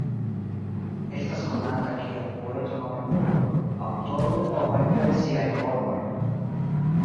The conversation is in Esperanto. Estas konata kiel poeto-novemulo, aŭtoro de novaj poeziaj formoj.